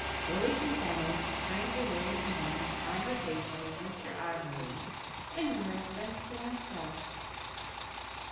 Willie consented, and Frank related to him his conversation with Mr Auberly in reference to himself.